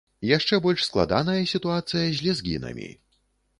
Яшчэ больш складаная сітуацыя з лезгінамі.